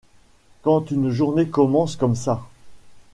Quand une journée commence comme ça. ..